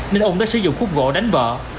nên ung đã sử dụng khúc gỗ đánh vợ